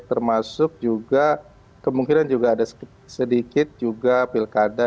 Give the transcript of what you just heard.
termasuk juga kemungkinan juga ada sedikit juga pilkada